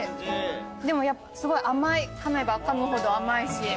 でもやっぱすごい甘いかめばかむほど甘いし。